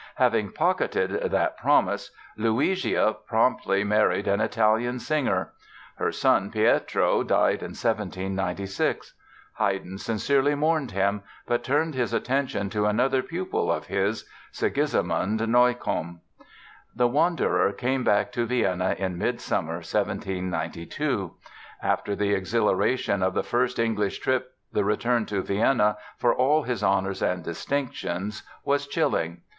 Having pocketed that "promise" Luigia promptly married an Italian singer! Her son, Pietro, died in 1796. Haydn sincerely mourned him but turned his attention to another pupil of his, Sigismund Neukomm. The wanderer came back to Vienna in midsummer, 1792. After the exhilaration of the first English trip the return to Vienna, for all his honors and distinctions, was chilling.